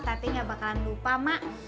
tapi gak bakalan lupa mak